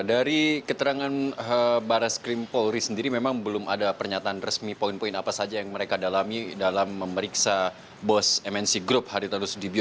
dari keterangan barres krim polri sendiri memang belum ada pernyataan resmi poin poin apa saja yang mereka dalami dalam memeriksa bos mnc group haritanu sudibyo